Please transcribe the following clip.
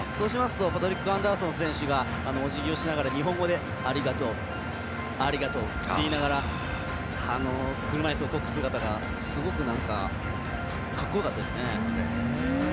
パトリック・アンダーソン選手がおじぎをしながら日本語で「ありがとう」って言いながら車いすをこぐ姿がすごくかっこよかったですよね。